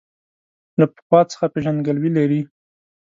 له پخوا څخه پېژندګلوي لري.